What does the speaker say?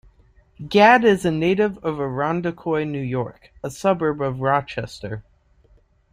Gadd is a native of Irondequoit, New York, a suburb of Rochester.